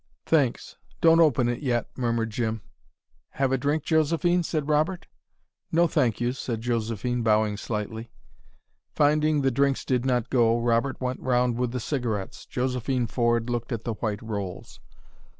"Thanks don't open it yet," murmured Jim. "Have a drink, Josephine?" said Robert. "No thank you," said Josephine, bowing slightly. Finding the drinks did not go, Robert went round with the cigarettes. Josephine Ford looked at the white rolls.